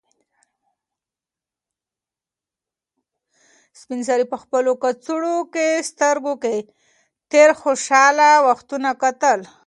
سپین سرې په خپل کڅوړنو سترګو کې تېر خوشحاله وختونه کتل.